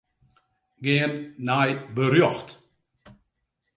Gean nei berjocht.